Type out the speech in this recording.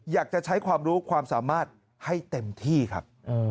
อยากจะใช้ความรู้ความสามารถให้เต็มที่ครับ